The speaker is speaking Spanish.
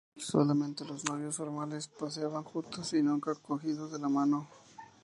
Solamente los novios formales paseaban juntos y nunca cogidos de la mano.